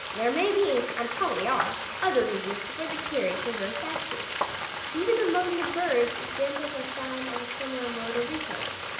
There may be, and probably are, other reasons for the curious reversed attitude. Even among the birds examples are found of a similar mode of repose.